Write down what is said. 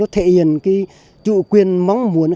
thể hiện chủ quyền mong muốn